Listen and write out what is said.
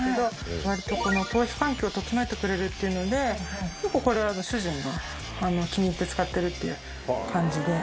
わりとこの頭皮環境を整えてくれるっていうので結構これは主人が気に入って使ってるっていう感じで。